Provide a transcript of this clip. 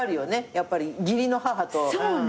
やっぱり義理の母と自分が。